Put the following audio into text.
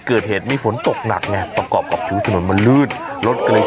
เกิดเหตุมีฝนตกหนักไงประกอบกับพื้นถนนมันลื่นรถก็เลย